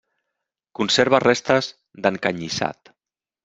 Conserva restes d'encanyissat.